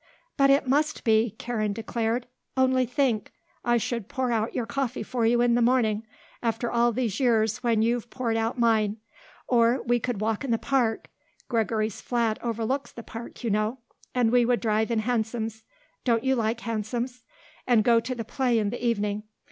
"But it must be," Karen declared. "Only think; I should pour out your coffee for you in the morning, after all these years when you've poured out mine; and we would walk in the park Gregory's flat overlooks the park you know and we would drive in hansoms don't you like hansoms and go to the play in the evening.